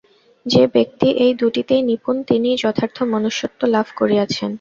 যে ব্যক্তি এই দুইটিতেই নিপুণ, তিনিই যথার্থ মনুষ্যত্ব লাভ করিয়াছেন।